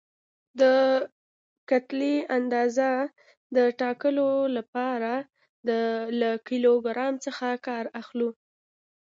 د کتلې اندازې د ټاکلو لپاره له کیلو ګرام څخه کار اخلو.